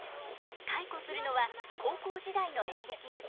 回顧するのは高校時代の演劇部。